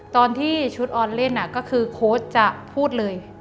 ตอนที่ชุดออนเล่นก็คือโค้ชจะพูดเลย